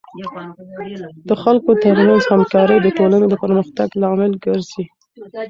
د خلکو ترمنځ همکاري د ټولنې د پرمختګ لامل ګرځي.